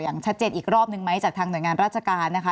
อย่างชัดเจนอีกรอบนึงไหมจากทางหน่วยงานราชการนะคะ